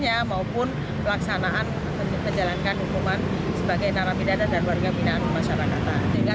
ya maupun pelaksanaan menjalankan hukuman sebagai narapidana dan warga pindahan masyarakat sehingga